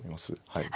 はい。